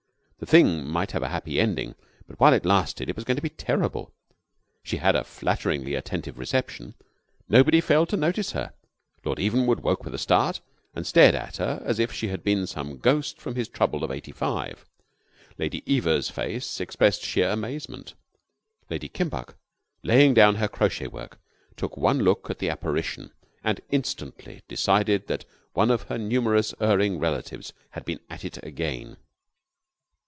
The thing might have a happy ending, but while it lasted it was going to be terrible. She had a flatteringly attentive reception. Nobody failed to notice her. Lord Evenwood woke with a start, and stared at her as if she had been some ghost from his trouble of '85. Lady Eva's face expressed sheer amazement. Lady Kimbuck, laying down her crochet work, took one look at the apparition, and instantly decided that one of her numerous erring relatives had been at it again.